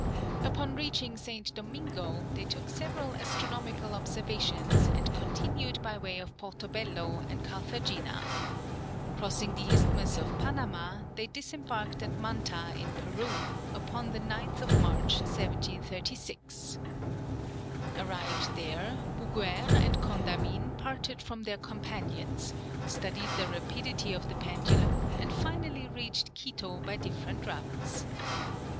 Upon reaching St. Domingo, they took several astronomical observations, and continued by way of Porto Bello, and Carthagena. Crossing the Isthmus of Panama, they disembarked at Manta in Peru, upon the 9th of March, 1736. Arrived there, Bouguer and Condamine parted from their companions, studied the rapidity of the pendulum, and finally reached Quito by different routes.